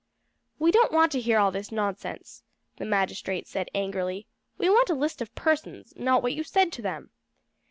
"We don't want to hear all this nonsense," the magistrate said angrily. "We want a list of persons, not what you said to them."